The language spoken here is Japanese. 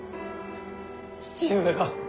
父上が！